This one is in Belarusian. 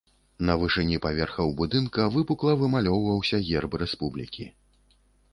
На вышыні паверхаў будынка выпукла вымалёўваўся герб рэспублікі.